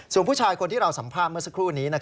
ส่วนผู้ชายคนที่เราสัมภาษณ์เมื่อสักครู่นี้